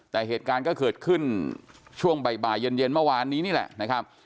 แต่เหตุการณ์ก็เกิดขึ้นช่วงบ่ายเย็นเมื่อวานนี้นี่แหละนะครับ